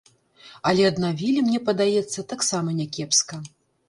Але аднавілі, мне падаецца, таксама някепска.